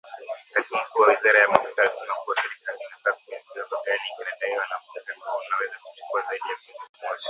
Katibu Mkuu wa Wizara ya Mafuta alisema kuwa serikali inatathmini kiwango gani kinadaiwa na mchakato huo unaweza kuchukua zaidi ya mwezi mmoja